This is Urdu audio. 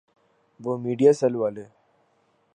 وہ میڈیاسیل والے؟